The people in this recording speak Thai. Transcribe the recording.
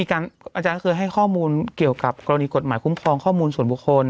อาจารย์เคยให้ข้อมูลเกี่ยวกับกรณีกฎหมายคุ้มครองข้อมูลส่วนบุคคล